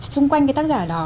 xung quanh cái tác giả đó